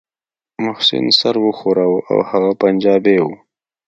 محسن سر وښوراوه هغه پنجابى و.